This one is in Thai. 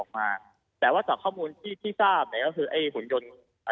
ออกมาแต่ว่าจากข้อมูลที่ที่ทราบนี่ก็คือไอ้หุนยนต์